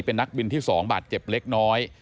เป็นนักบินที่๒บาดเจ็บเล็กน้อย